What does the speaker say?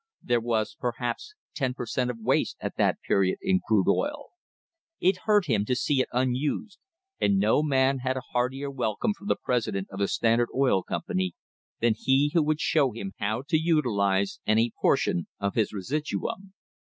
There was, perhaps, ten per cent, of waste at that period in crude oil. It hurt him to see it unused, and no man had a heartier welcome from the president of the Standard Oil Company than he who would show him how to utilise any proportion of his residuum.